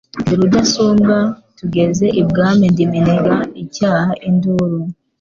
Ndi rudasumbwa tugeze ibwami. Ndi Minega icyaha induru